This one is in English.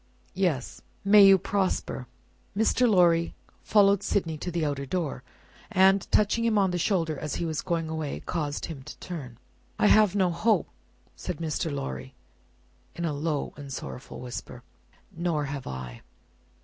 "Yes." "May you prosper!" Mr. Lorry followed Sydney to the outer door, and, touching him on the shoulder as he was going away, caused him to turn. "I have no hope," said Mr. Lorry, in a low and sorrowful whisper. "Nor have I."